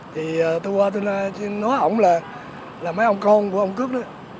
thì tôi qua tôi nói ông là mấy ông con của ông cước đó